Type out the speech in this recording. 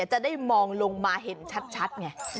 จะได้มองลงมาเห็นชัดไง